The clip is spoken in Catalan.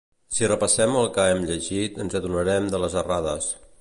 Si repassem el que hem llegit ens adonarem de les errades